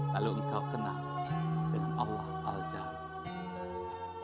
lalu engkau kenal dengan allah al jami